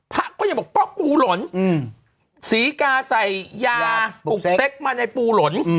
พระก็ยังบอกป๊อกปูหล่นศรีกาใส่ยาปลูกเซ็กมาในปูหล่น